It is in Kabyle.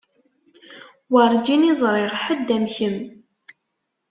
Werǧin i ẓriɣ ḥedd am kemm.